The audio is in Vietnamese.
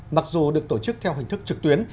mặc dù được tổ chức theo hình thức trực tuyến